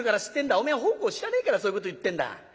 おめえは奉公してねえからそういうこと言ってんだ。